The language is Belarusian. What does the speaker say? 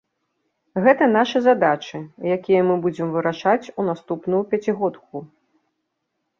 Гэта нашы задачы, якія мы будзем вырашаць у наступную пяцігодку.